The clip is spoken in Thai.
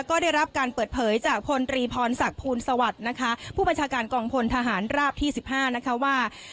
ก็ได้รับการเปิดเผยจากพลตรีพรศักดิ์ภูลสวัสดิ์นะคะผู้บัญชาการกองพลทหารราบที่๑๕นะคะว่า